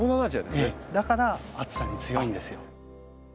だから暑さに強いんですよ。